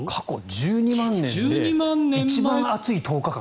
１２万年で一番暑い１０日間。